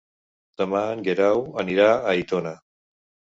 Demà en Guerau anirà a Aitona.